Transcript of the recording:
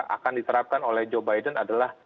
akan diterapkan oleh joe biden adalah